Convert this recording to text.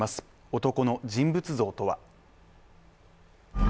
男の人物像とは。